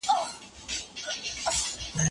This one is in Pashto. کتابتون څېړنه او میز څېړنه سره ډېر توپیر نه لري.